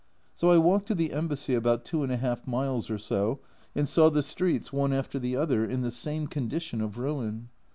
So I walked to the Embassy, about 2^ miles or so, and saw the streets, one after the other, in the same condition of ruin.